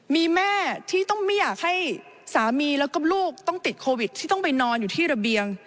มีแม่ที่ต้องไม่อยากให้สามีแล้วก็ลูกต้องติดโควิดที่ต้องไปนอนอยู่ที่ระเบียง